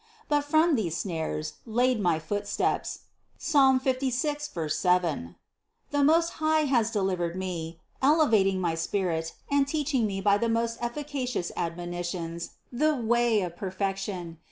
But from all these snares, laid for my footsteps (Ps. 56, 7), the Most High has delivered me, elevating my spirit and teaching me by the most efficacious admonitions the way of perfection.